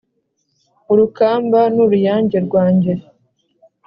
urukamba n'uruyange rwanjye